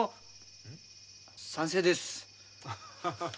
賛成です。